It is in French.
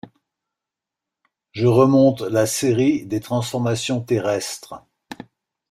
Je remonte la série des transformations terrestres.